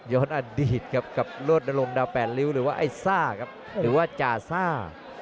อดีตครับกับโรดนรงดาวแปดริ้วหรือว่าไอ้ซ่าครับหรือว่าจาซ่า